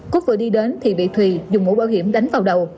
cúp vừa đi đến thì bị thùy dùng mũ bảo hiểm đánh vào đầu